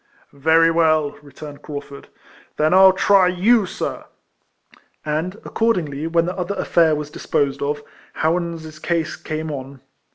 " Very well," returned Craufurd, " then I '11 try you, sir." And, accordingly, when the other affair was disposed of, Howans' case came on.